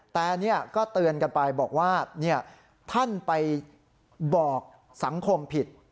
แต่นี่ก็เตือนกันไปบอกว่าท่านไปบอกสังคมผิด